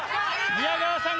宮川さん。